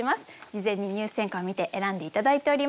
事前に入選歌を見て選んで頂いております。